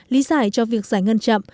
lý giải cho việc giải ngân chậm